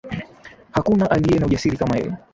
Hakuna aliye na ujasiri kama yeye